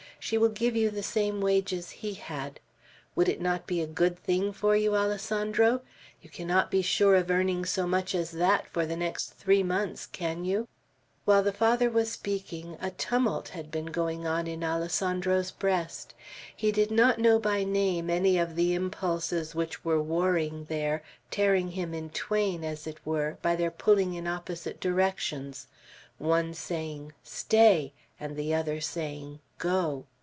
She will give you the same wages he had. Would it not be a good thing for you, Alessandro? You cannot be sure of earning so much as that for the next three months, can you?" While the Father was speaking, a tumult had been going on in Alessandro's breast. He did not know by name any of the impulses which were warring there, tearing him in twain, as it were, by their pulling in opposite directions; one saying "Stay!" and the other saying "Go!"